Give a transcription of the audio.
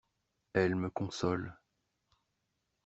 Elle me console.